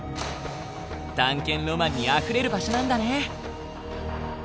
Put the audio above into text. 探検ロマンにあふれる場所なんだね。